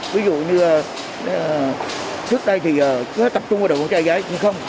ví dụ như trước đây thì cứ tập trung vào đội phòng cháy chữa cháy nhưng không